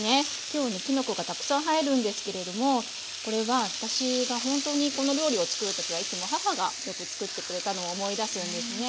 今日のきのこがたくさん入るんですけれどもこれは私がほんとにこの料理を作る時はいつも母がよく作ってくれたのを思い出すんですね。